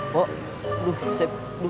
pok aduh sip